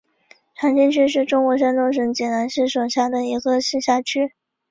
长清区是中国山东省济南市所辖的一个市辖区。